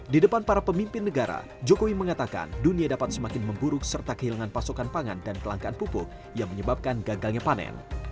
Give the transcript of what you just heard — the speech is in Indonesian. di depan para pemimpin negara jokowi mengatakan dunia dapat semakin memburuk serta kehilangan pasokan pangan dan kelangkaan pupuk yang menyebabkan gagalnya panen